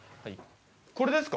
これですか？